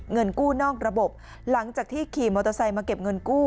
เงินกู้นอกระบบหลังจากที่ขี่มอเตอร์ไซค์มาเก็บเงินกู้